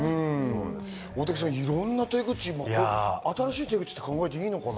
大竹さん、いろんな手口、新しい手口と考えていいのかな？